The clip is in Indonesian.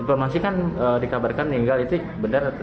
informasi kan dikabarkan meninggal itu benar atau tidak